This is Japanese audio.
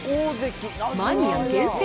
マニア厳選！